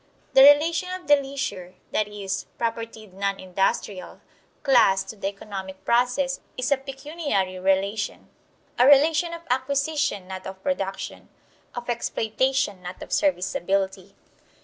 The relation of the leisure (that is, propertied non industrial) class to the economic process is a pecuniary relation a relation of acquisition, not of production; of exploitation, not of serviceability.